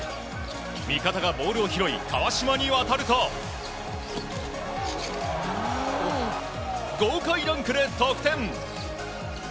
味方がボールを拾い川島に渡ると豪快ダンクで得点！